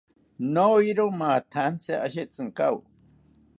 Noyori mathantzi ashetzinkawo